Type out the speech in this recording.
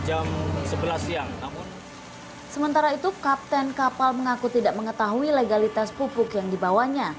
tapi kebetulan kapal ini tidak mengetahui legalitas pupuk yang dibawa